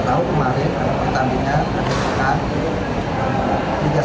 kita tahu kemarin pertandingan liga satu